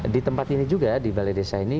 di tempat ini juga di balai desa ini